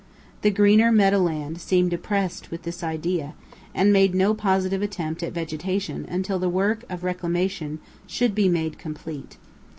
The greener meadowland seemed oppressed with this idea, and made no positive attempt at vegetation until the work of reclamation should be complete.